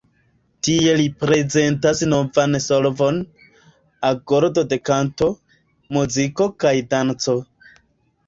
Tie li prezentis novan solvon: agordo de kanto, muziko kaj danco.